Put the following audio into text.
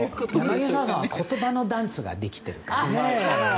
柳澤さんは言葉のダンスができてるからね。